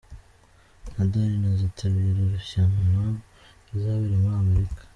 Nadali ntazitabira irushanywa rizabera muri Amerika